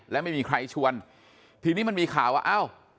และไม่มีใครชวนทีนี้มันมีข่าวว่าเอ้า